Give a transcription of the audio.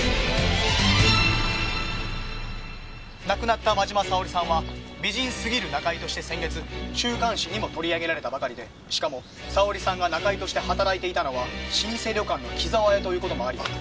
亡くなった真嶋沙織さんは美人すぎる仲居として先月週刊誌にも取り上げられたばかりでしかも沙織さんが仲居として働いていたのは老舗旅館の紀澤屋という事もあり。